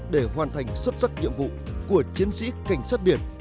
để hoàn thành xuất sắc nhiệm vụ của chiến sĩ cảnh sát biển